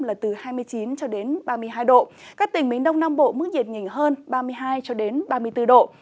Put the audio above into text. là từ hai mươi chín cho đến ba mươi hai độ các tỉnh miền đông nam bộ mức nhiệt nhỉnh hơn ba mươi hai ba mươi bốn độ